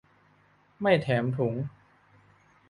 ไม่แถมถุง